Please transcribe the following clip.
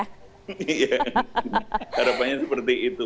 harapannya seperti itu